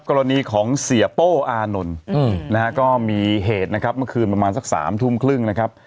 กรณีของเสียโป้อานนท์นะฮะก็มีเหตุนะครับเมื่อคืนประมาณสัก๓ทุ่มครึ่งนะครับ